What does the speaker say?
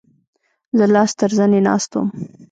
زه لاس تر زنې ناست وم.